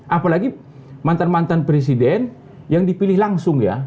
apalagi mantan mantan presiden yang dipilih langsung ya